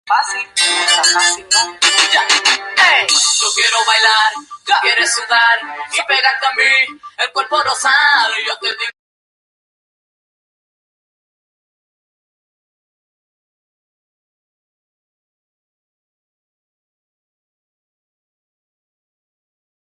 El esfuerzo ha sido de todos, prestando su concurso a la realización del proyecto.